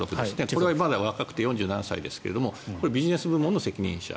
これはまだ若くて４７歳ですがビジネス部門の責任者。